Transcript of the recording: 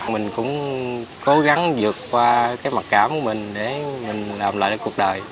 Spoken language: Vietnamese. mình cũng cố gắng dược qua mặc cảm của mình để mình làm lại cuộc đời